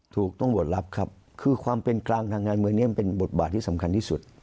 ตำรวจรับครับคือความเป็นกลางทางการเมืองนี้มันเป็นบทบาทที่สำคัญที่สุด